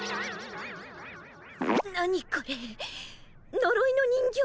何これのろいの人形？